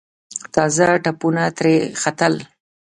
تازه تپونه ترې ختل.